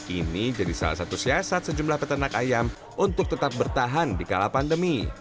ini jadi salah satu siasat sejumlah peternak ayam untuk tetap bertahan di kala pandemi